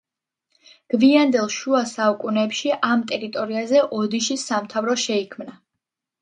გვიანდელ შუა საუკუნეებში ამ ტერიტორიაზე ოდიშის სამთავრო შეიქმნა.